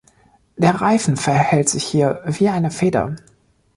Der Reifen verhält sich hier wie eine Feder.